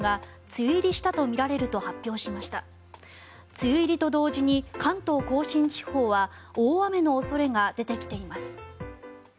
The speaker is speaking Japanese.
梅雨入りと同時に関東・甲信地方は大雨の恐れが出てきています。